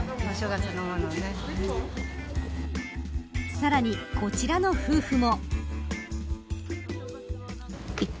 さらに、こちらの夫婦も。